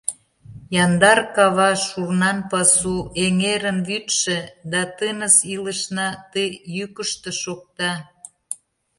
Яндар кава, шурнан пасу, эҥерын вӱдшӧ Да тыныс илышна ты йӱкыштӧ шокта.